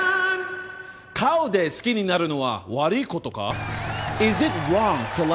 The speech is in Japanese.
顔で好きになるのは悪いことか？！